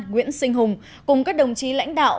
nguyễn sinh hùng cùng các đồng chí lãnh đạo